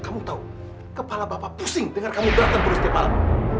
kamu tau kepala bapak pusing dengar kamu berantem setiap malam